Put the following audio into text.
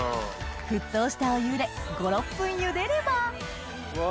沸騰したお湯で５６分ゆでればうわ。